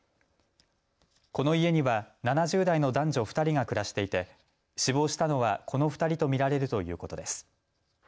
この家には７０代の男女２人が暮らしていて死亡したのはこの２人と見られるということです。